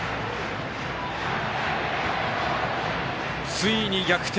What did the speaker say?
ついに逆転！